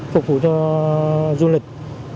phục vụ cho du lịch